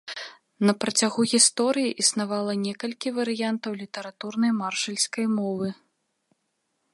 На працягу гісторыі існавала некалькі варыянтаў літаратурнай маршальскай мовы.